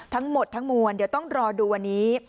ทั้งหมดทั้งมวลเดี๋ยวต้องรอดูวันนี้